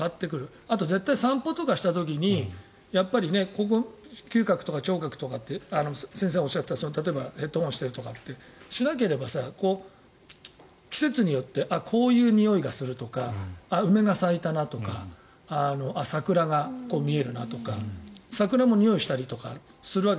あとは絶対に散歩とかした時に嗅覚とか聴覚とか先生がおっしゃった例えばヘッドホンをしているとかもしなければ、季節によってこういうにおいがするとか梅が咲いたなとか桜が見えるなとか桜もにおいがしたりとかするわけ。